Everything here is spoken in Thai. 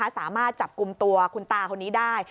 สามารถจับกลุ่มตัวคุณตาคนนี้ได้